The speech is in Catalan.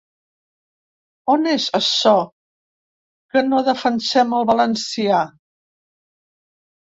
On és açò que no defensem el valencià?